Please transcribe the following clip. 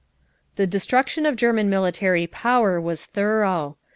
The destruction of German military power was thorough.